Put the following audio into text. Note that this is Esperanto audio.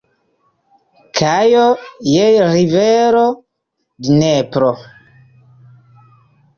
Kajo je rivero Dnepro.